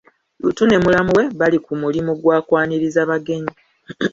Luutu ne mulamu we bali ku mulimu gwa kwaniriza bagenyi.